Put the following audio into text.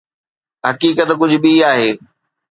حقيقت ڪجهه ٻي آهي.